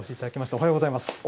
おはようございます。